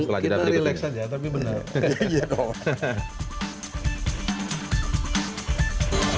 setelah jadwal berikut ini